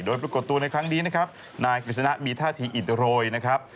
โดยปรากฏตัวในครั้งนี้นะครับนายกฤษณะมีท่าทีอิดโรยนะครับ